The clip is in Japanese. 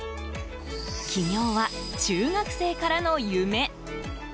起業は、中学生からの夢。